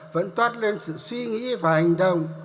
vẫn toát lên sự suy nghĩ và hành động